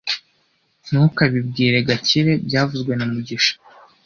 Ntukabibwire Gakire byavuzwe na mugisha